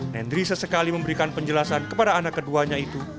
nendri sesekali memberikan penjelasan kepada anak keduanya itu